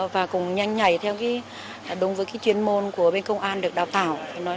và cũng nhanh nhảy theo đúng với chuyên môn của bên công an được đào tạo